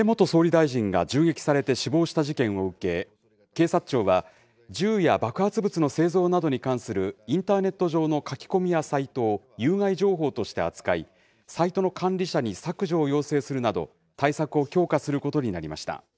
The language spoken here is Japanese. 安倍元総理大臣が銃撃されて死亡した事件を受け、警察庁は、銃や爆発物の製造などに関するインターネット上の書き込みやサイトを、有害情報として扱い、サイトの管理者に削除を要請するなど、対策を強化することになりました。